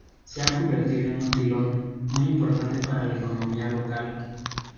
Se ha convertido en un filón muy importante para la economía local.